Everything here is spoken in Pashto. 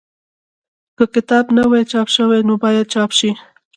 که کتاب نه وي چاپ شوی نو باید چاپ شي.